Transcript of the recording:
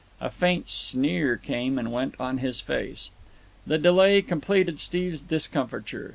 A faint sneer came and went on his face. The delay completed Steve's discomfiture.